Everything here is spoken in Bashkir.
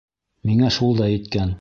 Миңә шул да еткән!